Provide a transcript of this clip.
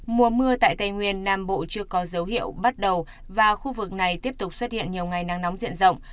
mùa mưa tại tây nguyên nam bộ chưa có dấu hiệu bắt đầu và khu vực này tiếp tục xuất hiện nhiều ngày nắng nóng diện rộng